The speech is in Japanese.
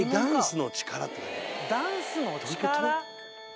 「ダンスの力」？